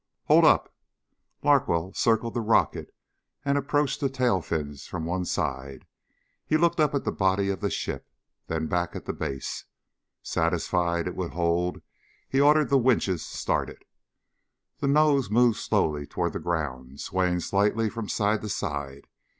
"Hold up!" Larkwell circled the rocket and approached the tailfins from one side. He looked up at the body of the ship, then back at the base. Satisfied it would hold he ordered the winches started. The nose moved slowly toward the ground, swaying slightly from side to side.